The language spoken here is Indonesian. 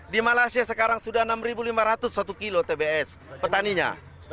di malaysia sekarang sudah enam lima ratus satu kilo tbs petaninya